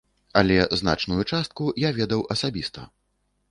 Але значную частку я ведаў асабіста.